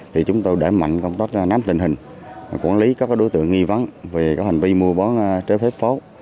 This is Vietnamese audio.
thì chúng tôi đã mạnh công tác nắm tình hình quản lý các đối tượng nghi vắng về các hành vi mua bán trái phép pháo